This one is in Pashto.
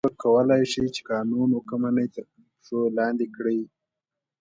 هغوی کولای شول قانون واکمني تر پښو لاندې کړي.